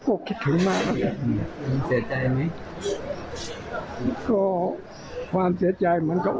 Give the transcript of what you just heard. โอกคิดถึงมาก